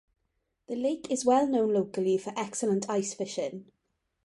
The Lake is well known locally for excellent ice fishing.